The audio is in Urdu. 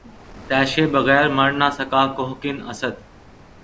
تیشے بغیر مر نہ سکا کوہکن، اسد